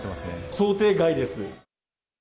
想定外です。